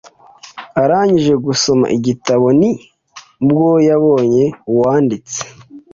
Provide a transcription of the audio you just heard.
Arangije gusoma igitabo ni bwo yabonye uwanditse.